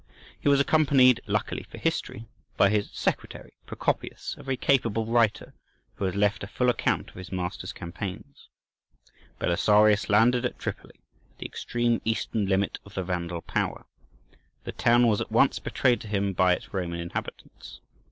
He was accompanied, luckily for history, by his secretary, Procopius, a very capable writer, who has left a full account of his master's campaigns. Belisarius landed at Tripoli, at the extreme eastern limit of the Vandal power. The town was at once betrayed to him by its Roman inhabitants.